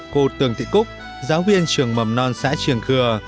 cô tường thị cúc giáo viên trường mầm non xã trường khừa